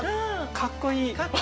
かっこいい！